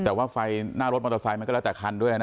แต่ว่าไฟหน้ารถมอเตอร์ไซค์มันก็แล้วแต่คันด้วยนะ